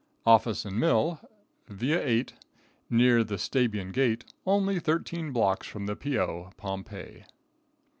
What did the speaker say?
_ Office and Mill, Via VIII, Near the Stabian Gate, Only Thirteen Blocks From the P.O., Pompeii.